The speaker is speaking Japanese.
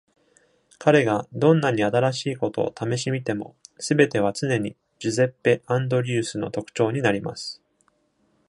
彼がどんなに新しいことを試し見ても、すべては常にジュゼッペ・アンドリュースの特徴になります。